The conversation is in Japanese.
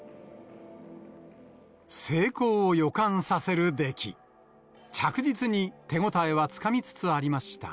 成功を予感させる出来、着実に手応えはつかみつつありました。